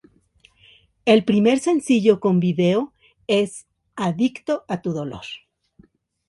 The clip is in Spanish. El primer sencillo con video es "Adicto a tu dolor".